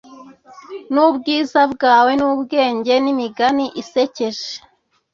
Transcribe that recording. nubwiza bwawe nubwenge n'imigani isekeje,